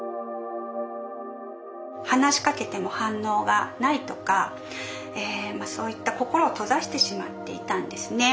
話しかけても反応がないとかそういった心を閉ざしてしまっていたんですね。